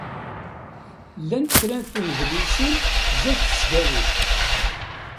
Llant kra n tnedlisin zzat tesdawit.